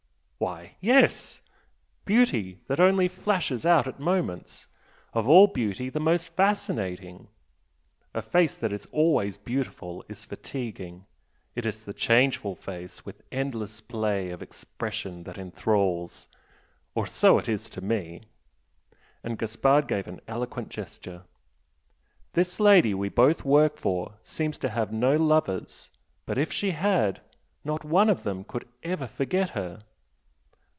"Why, yes! beauty that only flashes out at moments of all beauty the most fascinating! A face that is always beautiful is fatiguing, it is the changeful face with endless play of expression that enthralls, or so it is to me!" And Gaspard gave an eloquent gesture "This lady we both work for seems to have no lovers but if she had, not one of them could ever forget her!"